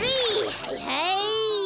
はいはい。